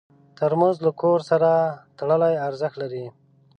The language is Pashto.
ترموز له کور سره تړلی ارزښت لري.